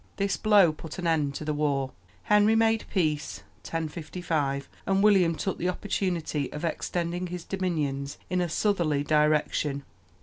This blow put an end to the war; Henry made peace (1055), and William took the opportunity of extending his dominions in a southerly direction.